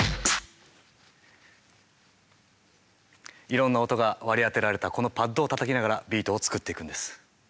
いろんな音が割り当てられたこのパッドをたたきながらビートを作っていくんです。